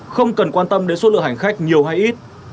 không cần quan tâm đến số lượng hành khách nhiều hay ít